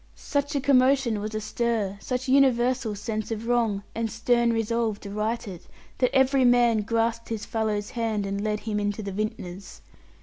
Such a commotion was astir, such universal sense of wrong, and stern resolve to right it, that each man grasped his fellow's hand, and led him into the vintner's.